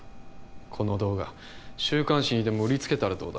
この動画週刊誌にでも売りつけたらどうだ？